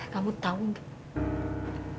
kamu tahu nggak